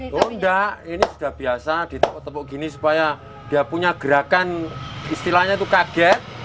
kalau enggak ini sudah biasa ditepuk tepuk gini supaya dia punya gerakan istilahnya itu kaget